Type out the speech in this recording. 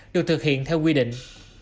được thực hiện theo quy định